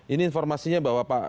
ini informasinya bahwa